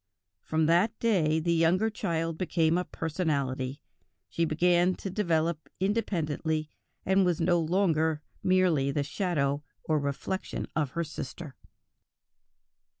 From that day the younger child became a personality; she began to develop independently, and was no longer merely the shadow or reflection of her sister."